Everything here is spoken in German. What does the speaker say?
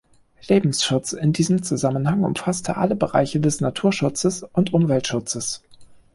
Lebensschutz in diesem Zusammenhang umfasste alle Bereiche des Naturschutzes und Umweltschutzes.